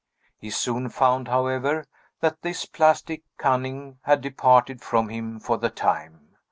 He soon found, however, that his plastic cunning had departed from him for the time.